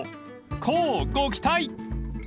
［乞うご期待］